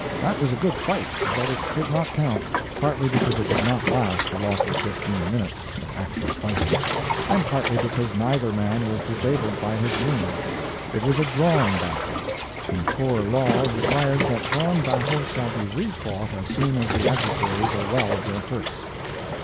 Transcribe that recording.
That was a good fight, but it could not count, partly because it did not last the lawful fifteen minutes (of actual fighting), and partly because neither man was disabled by his wound. It was a drawn battle, and corps law requires that drawn battles shall be refought as soon as the adversaries are well of their hurts.